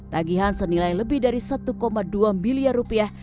tagihan senilai lebih dari satu dua miliar rupiah